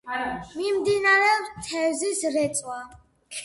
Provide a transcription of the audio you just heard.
მიმდინარეობს თევზის რეწვა.